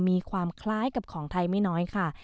มีความคล้ายกับของไทยไม่น้อยค่ะ